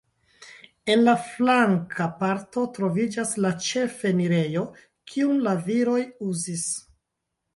En la flanka parto troviĝas la ĉefenirejo, kiun la viroj uzis.